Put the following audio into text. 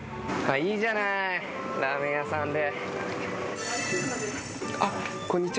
いいじゃないラーメン屋さんで。